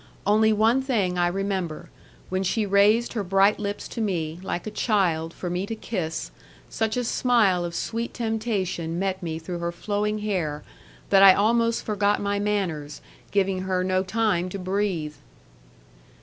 Only one thing I remember, when she raised her bright lips to me, like a child, for me to kiss, such a smile of sweet temptation met me through her flowing hair, that I almost forgot my manners, giving her no time to breathe.